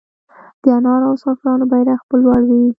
د انار او زعفرانو بیرغ به لوړ وي؟